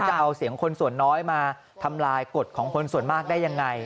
จะเอาเสียงคนส่วนน้อยมาทำลายกฎของคนส่วนมากได้ยังไง